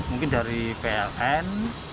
mungkin dari pln